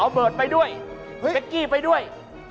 เอาเบิร์ดไปด้วยเบ็กกี้ไปด้วยเฮ้ย